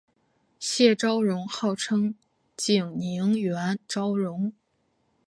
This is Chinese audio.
谢昭容号称景宁园昭容。